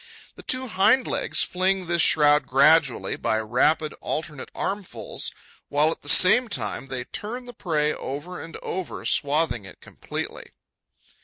The two hind legs fling this shroud gradually, by rapid alternate armfuls, while, at the same time, they turn the prey over and over, swathing it completely.